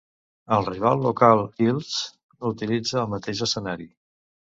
El rival local Ilves utilitza el mateix escenari.